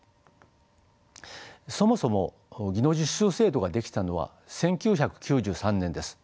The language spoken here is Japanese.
そもそも技能実習制度が出来たのは１９９３年です。